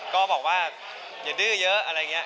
ก็บอกว่าอย่าดื้อเยอะอะไรอย่างนี้